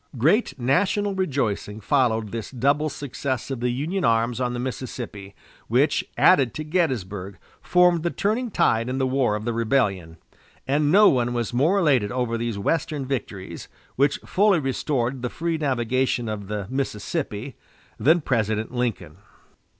Great national rejoicing followed this double success of the Union arms on the Mississippi, which, added to Gettysburg, formed the turning tide in the war of the rebellion; and no one was more elated over these Western victories, which fully restored the free navigation of the Mississippi, than President Lincoln.